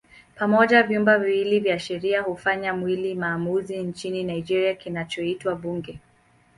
Pamoja vyumba viwili vya sheria hufanya mwili maamuzi nchini Nigeria kinachoitwa Bunge.